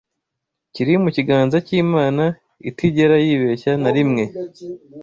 kiri mu kiganza cy’Imana itigera yibeshya na rimwe